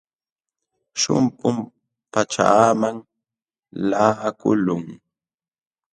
Shumpum pachaaman laqakulqun.